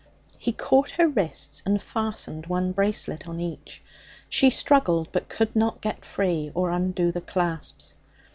He caught her wrists and fastened one bracelet on each. She struggled, but could not get free or undo the clasps.